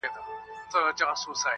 راسه له ساحله د نهنګ خبري نه کوو.!